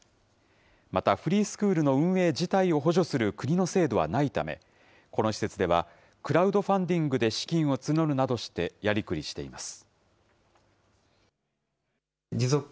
また、フリースクールの運営自体を補助する国の制度はないため、この施設では、クラウドファンディングで資金を募るなどしてやりくりしています。